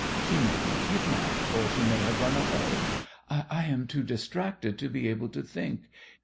She may be kidnapped or she may have run away. I am too distracted to be able to think.